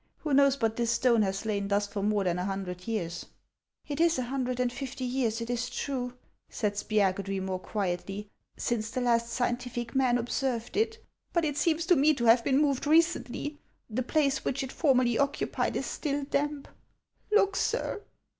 Who knows but this stone has lain thus for more than a hundred years ?"" It is a hundred and fifty years, it is true," said Spia gudry, more quietly, " since the last scientific man observed it. But it seems to me to have been moved recently ; the place which it formerly occupied is still damp. Look, sir."